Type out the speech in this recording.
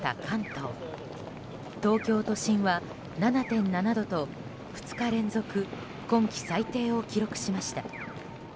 東京都心は７．７度と２日連続今季最低を記録しました。